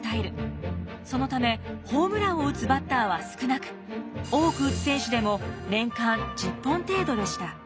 そのためホームランを打つバッターは少なく多く打つ選手でも年間１０本程度でした。